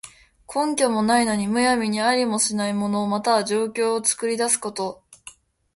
根拠もないのに、むやみにありもしない物、または情況を作り出すこと。